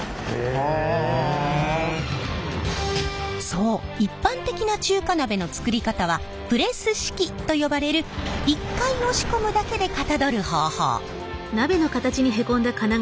そう一般的な中華鍋の作り方はプレス式と呼ばれる１回押し込むだけでかたどる方法。